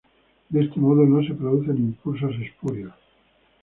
De este modo no se producen impulsos espurios.